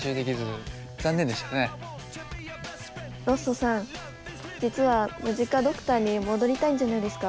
ロッソさん実はムジカドクターに戻りたいんじゃないですか？